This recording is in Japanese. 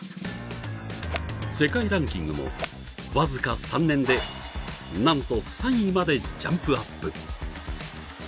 世界ランキングも、僅か３年でなんと、３位までジャンプアップ。